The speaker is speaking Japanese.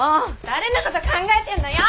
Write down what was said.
誰のこと考えてんのよ！